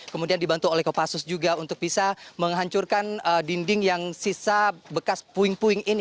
kemudian dibantu oleh kopassus juga untuk bisa menghancurkan dinding yang sisa bekas puing puing ini